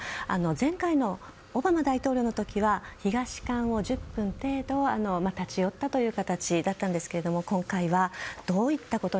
前回のオバマ大統領の時は東館を１０分程度立ち寄ったという形だったんですけども今回はどういったことに。